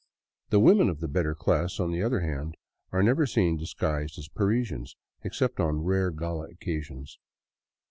The women of the better class, on the other hand, are never seen disguised as Parisians except on rare gala occasions.